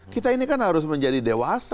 kita ini kan harus menjadi dewasa